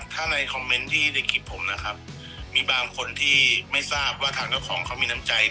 ถ้าในคอมเมนต์ที่ในคลิปผมนะครับมีบางคนที่ไม่ทราบว่าทางเจ้าของเขามีน้ำใจ